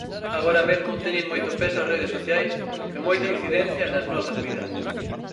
Agora mesmo teñen moito peso as redes sociais e moita incidencia nas nosas vidas.